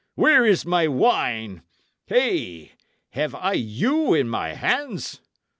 Where is my wine? Hey! have I you in my hands?